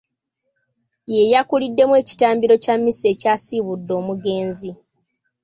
Ye yakuliddemu ekitambiro kya mmisa ekyasiibudde omugenzi.